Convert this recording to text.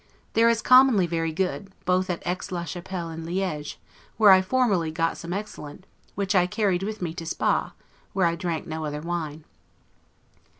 There is commonly very good, both at Aix la Chapelle and Liege, where I formerly got some excellent, which I carried with me to Spa, where I drank no other wine.